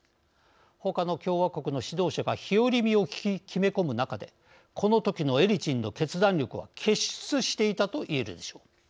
ほかの共和国の指導者が日和見を決め込む中でこのときのエリツィンの決断力は傑出していたと言えるでしょう。